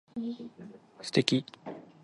素敵